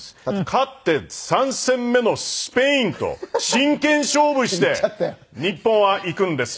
勝って３戦目のスペインと真剣勝負して日本は行くんです